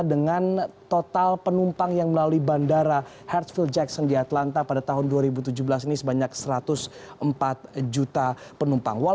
dengan total penumpang yang melalui bandara headsfield jackson di atlanta pada tahun dua ribu tujuh belas ini sebanyak satu ratus empat juta penumpang